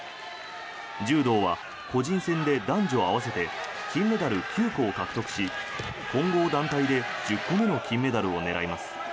柔道は個人戦で男女合わせて金メダル９個を獲得し混合団体で１０個目の金メダルを狙います。